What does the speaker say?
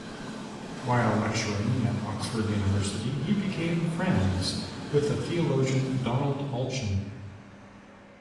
While lecturing at Oxford University, he became friends with the theologian Donald Allchin.